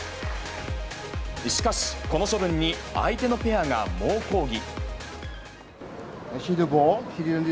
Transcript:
しかし、この処分に相手のペアが猛抗議。